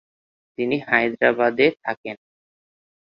তিনি হায়দ্রাবাদে থাকেন।